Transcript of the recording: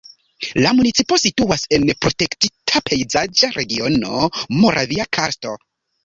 La municipo situas en protektita pejzaĝa regiono Moravia karsto.